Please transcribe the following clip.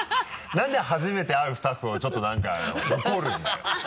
なんで初めて会うスタッフをちょっとなんか怒るんだよ。